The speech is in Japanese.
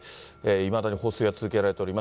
いまだに放水が続けられております。